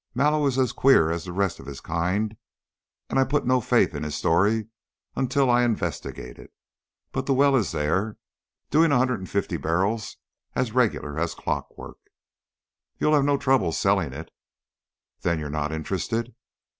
"Mallow is as queer as the rest of his kind, and I put no faith in his story until I investigated. But the well is there and doing a hundred and fifty barrels as regular as clockwork." "You'll have no trouble in selling it." "Then you're not interested?"